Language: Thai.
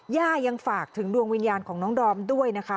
ย่ายังฝากถึงดวงวิญญาณของน้องดอมด้วยนะคะ